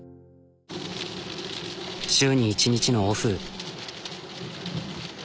週に１日のオフ。